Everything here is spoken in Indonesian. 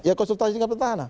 ya konsultasi dengan petahana